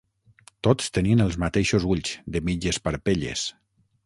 Tots tenien els mateixos ulls, de mitges parpelles